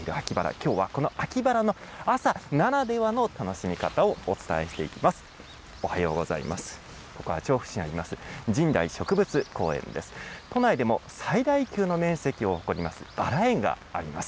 きょうはこの秋バラの朝ならではの楽しみ方をお伝えしていきます。